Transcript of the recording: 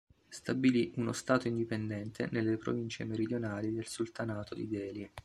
Stabilì uno Stato indipendente nelle provincie meridionali del Sultanato di Delhi.